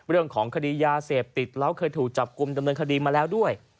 เรื่องของคดียาเสพติดแล้วเคยถูกจับกลุ่มดำเนินคดีมาแล้วด้วย